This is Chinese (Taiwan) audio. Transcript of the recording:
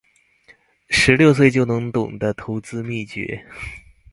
十六歲就能懂的投資祕訣